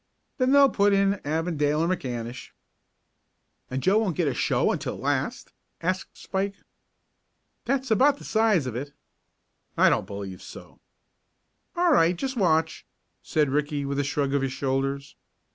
"Then they'll put in Avondale or McAnish." "And Joe won't get a show until last?" asked Spike. "That's about the size of it." "I don't believe so." "All right. Just watch," said Ricky, with a shrug of his shoulders.